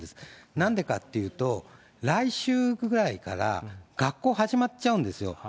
なんでかっていうと、来週ぐらいから、学校始まっちゃうんですよ。